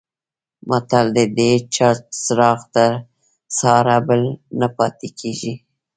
متل دی: د هېچا چراغ تر سهاره بل نه پاتې کېږي.